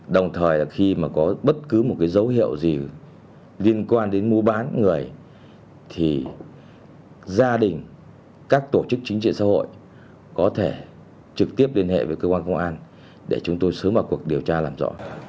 đồng thời khi mà có bất cứ một cái dấu hiệu gì liên quan đến mua bán người thì gia đình các tổ chức chính trị xã hội có thể trực tiếp liên hệ với cơ quan công an để chúng tôi sớm vào cuộc điều tra làm rõ